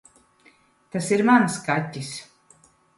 Tas ir mans kaķis.